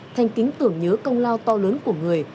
thành kính tưởng nhớ công lao to lớn của người